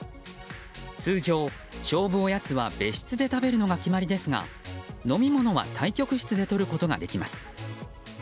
通常、勝負おやつは別室で食べるのが決まりですが飲み物は対局室でとることができます。